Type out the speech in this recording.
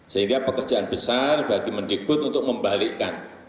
sehingga pekerjaan besar bagi mendikbud untuk membalikkan